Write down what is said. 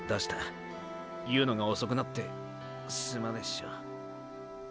言うのが遅くなってすまねェショ。